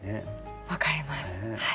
分かります。